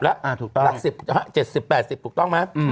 หลัก๑๐๗๐๘๐ถูกต้องไหม